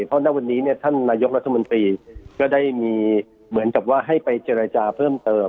เพราะณวันนี้เนี่ยท่านนายกรัฐมนตรีก็ได้มีเหมือนกับว่าให้ไปเจรจาเพิ่มเติม